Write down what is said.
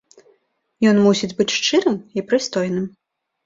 Ён мусіць быць шчырым і прыстойным.